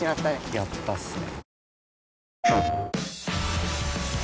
やったっすね！